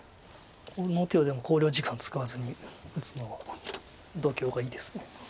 この手はでも考慮時間使わずに打つのは度胸がいいです。